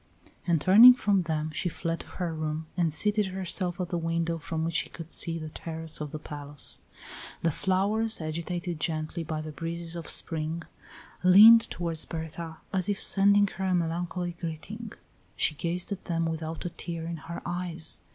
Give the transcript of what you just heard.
And turning from them she fled to her room and seated herself at the window from which she could see the terrace of the palace. The flowers, agitated gently by the breezes of spring, leaned toward Berta as if sending her a melancholy greeting. She gazed at them without a tear in her eyes.